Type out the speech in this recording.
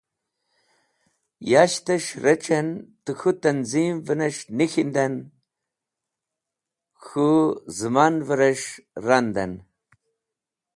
Yashtes̃h rec̃hen tẽ k̃hũ tanzim’nes̃h nik̃hinden, k̃hũ zẽmanveres̃h randen.